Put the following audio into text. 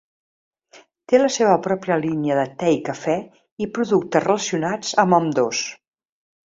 Té la seva pròpia línia de te i cafè i productes relacionats amb ambdós.